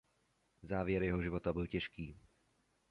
Závěr jeho života byl těžký.